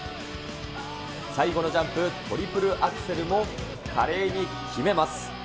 最後のジャンプ、トリプルアクセルも華麗に決めます。